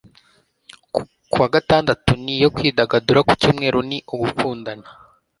ku wa gatandatu ni iyo kwidagadura ku cyumweru ni ugukundana